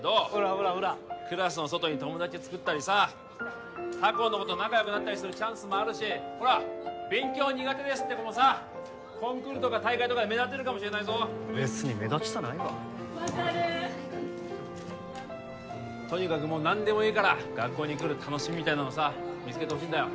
ほらほらクラスの外に友達つくったりさ他校の子と仲良くなったりするチャンスもあるしほら勉強は苦手ですって子もさコンクールとか大会とかで目立てるかもしれないぞ別に目立ちたないわ分かるとにかくもう何でもいいから学校に来る楽しみみたいなのをさ見つけてほしいんだよ